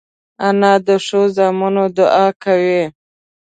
انا د ښو زامنو دعا کوي